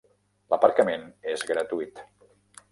L'aparcament és gratuït.